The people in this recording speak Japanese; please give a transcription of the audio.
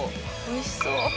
おいしそう。